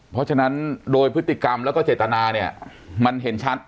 เพราะฉะนั้นโดยพฤติกรรมแล้วก็เจตนาเนี่ยมันเห็นชัด